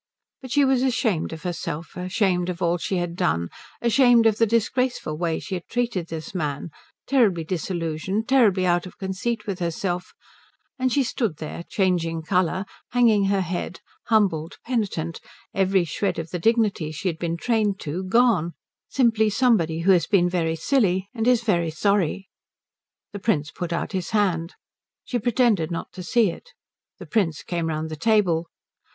But she was ashamed of herself, ashamed of all she had done, ashamed of the disgraceful way she had treated this man, terribly disillusioned, terribly out of conceit with herself, and she stood there changing colour, hanging her head, humbled, penitent, every shred of the dignity she had been trained to gone, simply somebody who has been very silly and is very sorry. The Prince put out his hand. She pretended not to see it. The Prince came round the table.